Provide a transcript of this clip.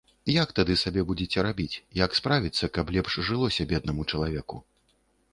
Як тагды сабе будзеце рабіць, як справіцца, каб лепш жылося беднаму чалавеку.